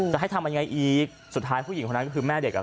จะให้ทำยังไงอีกสุดท้ายผู้หญิงคนนั้นก็คือแม่เด็กอ่ะ